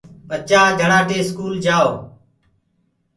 ڀچآ جھڙآٽي اسڪول ڪآؤ۔